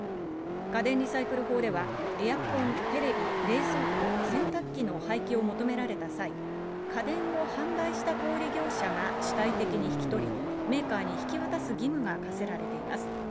家電リサイクル法では、エアコン、テレビ、冷蔵庫、洗濯機の廃棄を求められた際、家電を販売した小売り業者が主体的に引き取り、メーカーに引き渡す義務が課せられています。